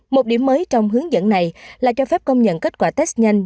một điểm mới trong hướng dẫn này là cho phép công nhận kết quả test nhanh